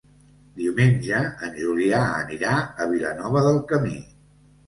Diumenge en Julià anirà a Vilanova del Camí.